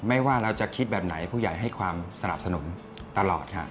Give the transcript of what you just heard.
ว่าเราจะคิดแบบไหนผู้ใหญ่ให้ความสนับสนุนตลอดค่ะ